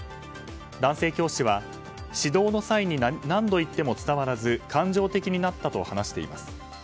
男性教師は指導の際に何度言っても伝わらず感情的になったと話しています。